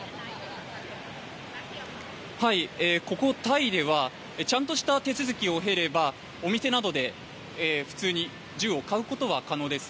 ここタイではちゃんとした手続きを経ればお店などで普通に銃を買うことは可能です。